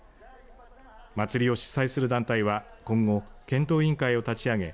祭りを主催する団体は今後検討委員会を立ち上げ